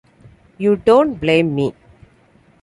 You don't blame me?